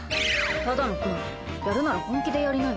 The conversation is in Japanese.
只野くんやるなら本気でやりなよ。